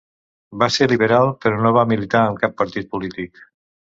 Va ser liberal, però no va militar en cap partit polític.